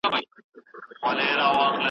د يار سره يې په ګورګورو بدلوومه